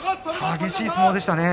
激しい相撲でしたね。